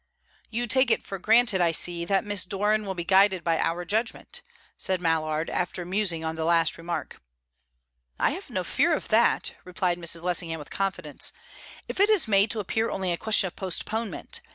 "You take it for granted, I see, that Miss Doran will be guided by our judgment," said Mallard, after musing on the last remark. "I have no fear of that," replied Mrs. Lessingham with confidence, "if it is made to appear only a question of postponement.